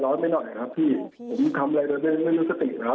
ก็ได้อย่างนี้ครับ